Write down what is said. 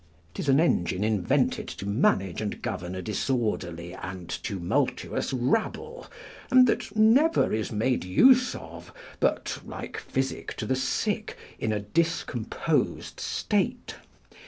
'Tis an engine invented to manage and govern a disorderly and tumultuous rabble, and that never is made use of, but like physic to the sick, in a discomposed state.